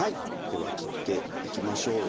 では切っていきましょう。